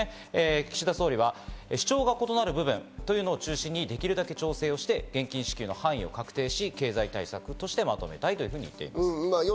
岸田総理は主張が異なる部分というのを中心にできるだけ調整して現金支給の範囲を確定して経済対策としてまとめたいと言っています。